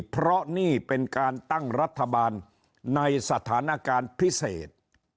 เพราะนี่เป็นการตั้งรัฐบาลในสถานการณ์พิเศษ